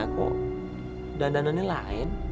kok dandanannya lain